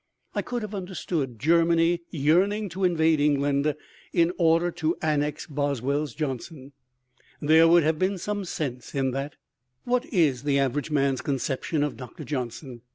I could have understood Germany yearning to invade England in order to annex Boswell's Johnson. There would have been some sense in that. What is the average man's conception of Doctor Johnson?